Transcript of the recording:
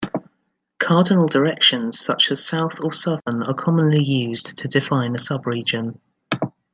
Cardinal directions, such as south or southern, are commonly used to define a subregion.